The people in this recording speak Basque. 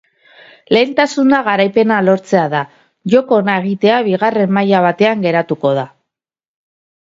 Lehentasuna garaipena lortzea da, joko ona egitea bigarren maila batean geratuko da.